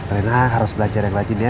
rena harus belajar yang rajin ya